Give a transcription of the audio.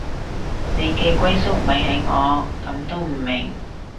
你嘅歸宿咪係我，噉都唔明